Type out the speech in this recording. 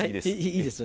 いいです。